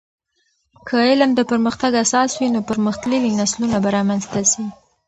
که علم د پرمختګ اساس وي، نو پرمختللي نسلونه به رامنځته سي.